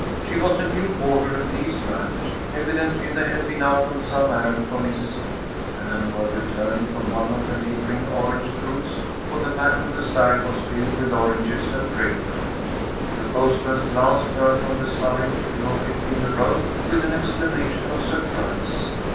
She was a new boarder at Lee's ranch. Evidently they had been out on some errand for Mrs. Lee, and were returning from one of the neighboring orange groves, for the back of the surrey was filled with oranges and grapefruit. The postman's glance turned from the surrey to the object in the road with an exclamation of surprise.